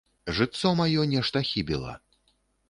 Жытцо маё нешта хібіла.